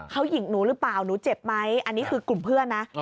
เขาหญิงหนูหรือเปล่าหนูเจ็บไหมอันนี้คือกลุ่มเพื่อนนะ